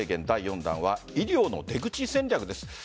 第４弾は医療の出口戦略です。